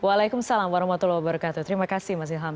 waalaikumsalam warahmatullahi wabarakatuh terima kasih mas ilham